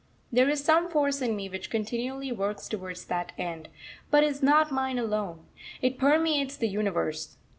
There is some force in me which continually works towards that end, but is not mine alone, it permeates the universe.